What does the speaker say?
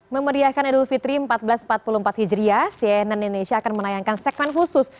memeriahkan idul fitri seribu empat ratus empat puluh empat hijriah cnn indonesia akan menayangkan segmen khusus